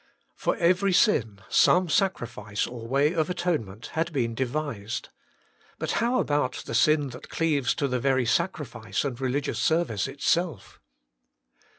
For every sin some sacrifice or way of atonement had been devised, HOLINESS AND MEDIATION. 83 But how about the sin that cleaves to the very sacrifice and religious service itself